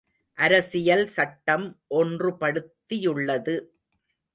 அரசியல் சட்டம் ஒன்றுபடுத்தியுள்ளது.